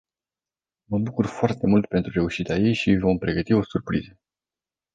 Mă bucur foarte mult pentru reușita ei și îi vom pregăti o surpriză.